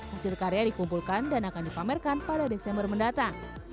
hasil karya dikumpulkan dan akan dipamerkan pada desember mendatang